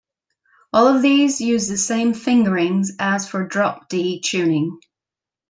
All of these use the same fingerings as for drop D tuning.